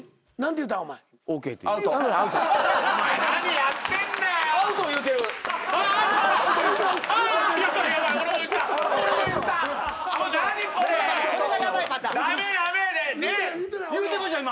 言うてました今！